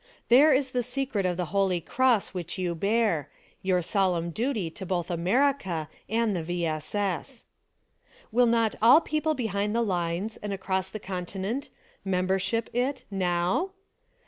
There is the secret of the holy cross which you bear, your solemn duty to both America and the V. S. S. ! Will not all people behind the lines, and across the continent, membership it — now?